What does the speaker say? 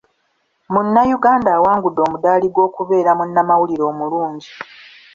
Munnayuganda awangudde omudaali gw'okubeera munnamawulire omulungi.